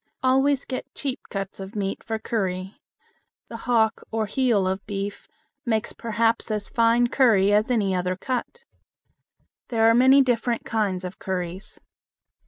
Always get cheap cuts of meat for curry. The hock or heel of beef makes perhaps as fine curry as any other cut. There are many different kinds of curries.